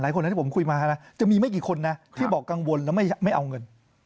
คนนั้นที่ผมคุยมานะจะมีไม่กี่คนนะที่บอกกังวลแล้วไม่เอาเงิน